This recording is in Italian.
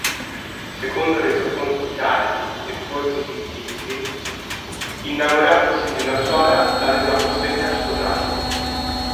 Secondo resoconti tardi e forse fittizi, innamoratosi di una suora, l'aveva costretta a sposarlo.